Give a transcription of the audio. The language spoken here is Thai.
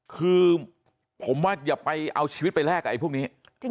คือผมว่าอย่าไปเอาชีวิตไปแลกกับไอ้พวกนี้